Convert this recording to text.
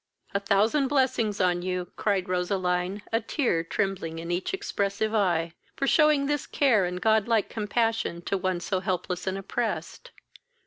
"A thousand blessings on you! (cried Roseline, a tear trembling in each expressive eye,) for shewing this care and god like compassion to one so helpless and oppressed.